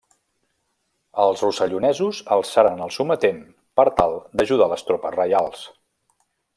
Els rossellonesos alçaren el sometent per tal d'ajudar les tropes reials.